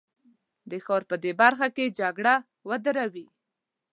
د ښار په دې برخه کې جګړه ودروي.